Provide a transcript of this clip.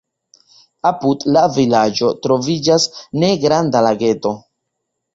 Apud la vilaĝo troviĝas negranda lageto.